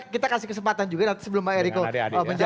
kita kasih kesempatan juga nanti sebelum pak eriko menjawab